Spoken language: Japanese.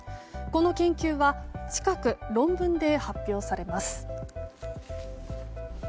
この研究は近く、論文で発表されます。